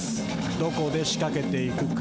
どこで仕掛けていくか。